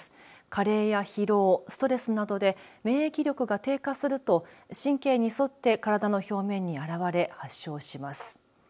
加齢や疲労、ストレスなどで免疫力が低下すると神経に沿って体の表面に表れ発症します。